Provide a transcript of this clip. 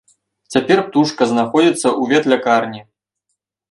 Цяпер птушка знаходзіцца ў ветлякарні.